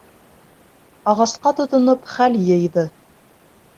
Ағасҡа тотоноп хәл йыйҙы.